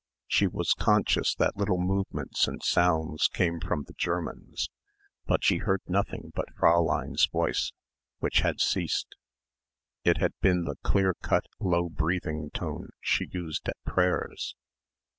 She was conscious that little movements and sounds came from the Germans, but she heard nothing but Fräulein's voice which had ceased. It had been the clear cut low breathing tone she used at prayers.